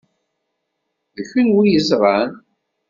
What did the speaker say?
D kunwi i yeẓṛan.